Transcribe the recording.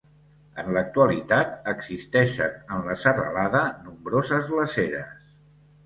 En l'actualitat, existeixen en la serralada nombroses glaceres.